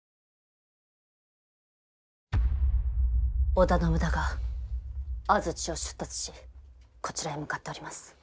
織田信長安土を出立しこちらへ向かっております。